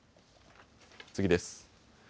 次です。